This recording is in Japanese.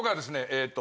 えっと